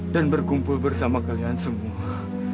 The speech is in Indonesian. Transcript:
dan berkumpul bersama kalian semua